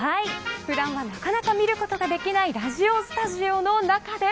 普段はなかなか見ることができないラジオスタジオの中です。